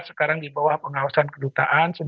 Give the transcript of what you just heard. sekarang dibawa pengawasan kedutaan